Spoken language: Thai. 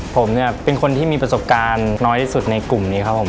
ผมเนี่ยเป็นคนที่มีประสบการณ์น้อยที่สุดในกลุ่มนี้ครับผม